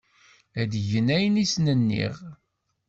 Ad gen ayen i asen-nniɣ.